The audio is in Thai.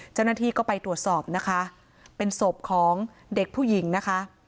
เจ้าหน้าที่ก็ไปตรวจสอบนะคะเป็นศพของเด็กผู้หญิงนะคะ